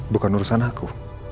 bukan urusan aku